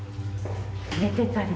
寝てたり。